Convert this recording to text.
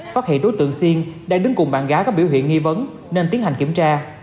phát hiện đối tượng siên đang đứng cùng bạn gái có biểu hiện nghi vấn nên tiến hành kiểm tra